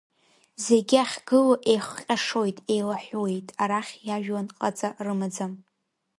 Зегьы ахьгыло еихҟьашоит, еилаҳәуеит, арахь иажәлан ҟаҵа рымаӡам.